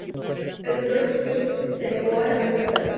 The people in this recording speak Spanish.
El Dr. Singh se negó a retractarse.